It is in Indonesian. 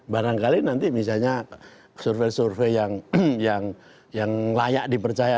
barangkali nanti misalnya survei survei yang layak dipercaya